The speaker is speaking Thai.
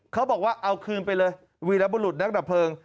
เขาบอกว่าเอาคืนไปเลยวีรบุรุษนักดับเพลิง